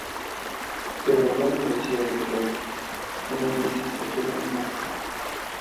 Se graduó en la Universidad de Glasgow con una Licenciatura en Arte.